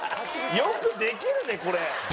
よくできるねこれ！